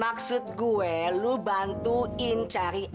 maksud gue lu bantuin cari akal dong